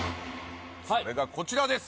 それがこちらです